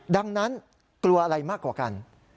ดังนั้นกลัวอะไรมากกว่ากัน